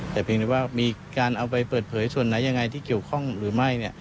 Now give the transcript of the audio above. แต่เพียงแต่ว่ามีการเอาไปเปิดเผยส่วนไหนยังไงที่เกี่ยวข้องหรือไม่